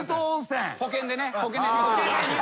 保険でね。